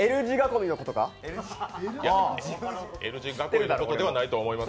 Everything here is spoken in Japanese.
Ｌ字囲みのことではないと思います。